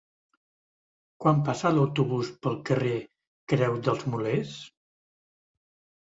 Quan passa l'autobús pel carrer Creu dels Molers?